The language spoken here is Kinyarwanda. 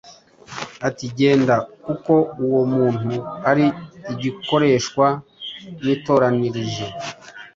ati, «Genda kuko uwo muntu ari igikoreshwa nitoranirije,